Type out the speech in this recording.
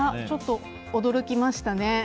ちょっと驚きましたね。